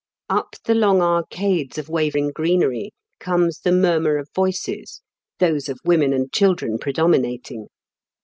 Up the long arcades of waving greenery comes the murmur of voices, those of women and children predominating.